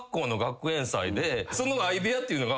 その相部屋っていうのが。